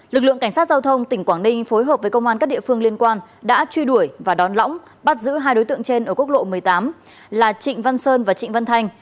lực lượng cảnh sát giao thông tỉnh quảng ninh phối hợp với công an các địa phương liên quan đã truy đuổi và đón lõng bắt giữ hai đối tượng trên ở quốc lộ một mươi tám là trịnh văn sơn và trịnh văn thành